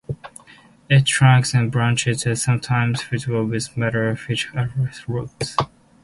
Its trunks and branches are sometimes festooned with matted, fibrous aerial roots.